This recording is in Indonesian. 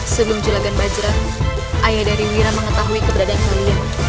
sebelum curagan bajrah ayah dari wira mengetahui keberadaan wanita